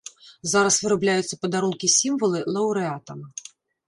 Зараз вырабляюцца падарункі-сімвалы лаўрэатам.